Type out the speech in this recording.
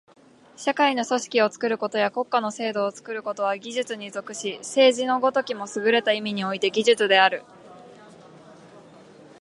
社会の組織を作ることや国家の制度を作ることは技術に属し、政治の如きもすぐれた意味において技術である。